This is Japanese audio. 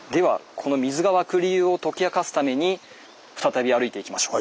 この水が湧く理由を解き明かすために再び歩いていきましょう。